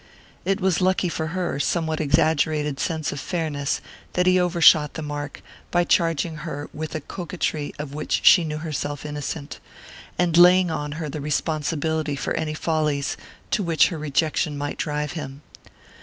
It was lucky for her somewhat exaggerated sense of fairness that he overshot the mark by charging her with a coquetry of which she knew herself innocent, and laying on her the responsibility for any follies to which her rejection might drive him.